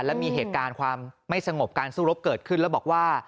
แล้วมีเหตุการณ์ความไม่สงบการสู้รบเกิดขึ้นแล้วบอกว่า